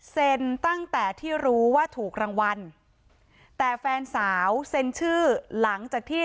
ตั้งแต่ที่รู้ว่าถูกรางวัลแต่แฟนสาวเซ็นชื่อหลังจากที่